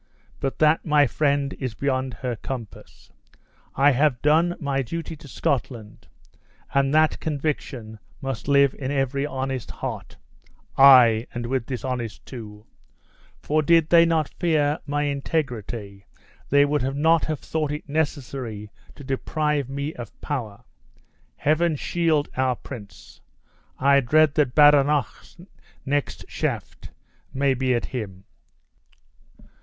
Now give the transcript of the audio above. But that, my friend, is beyond her compass. I have done my duty to Scotland, and that conviction must live in every honest heart ay, and with dishonest too for did they not fear my integrity, they would not have thought it necessary to deprive me of power. Heaven shield our prince! I dread that Badenoch's next shaft may be at him!"